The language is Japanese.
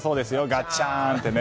ガッチャーンって。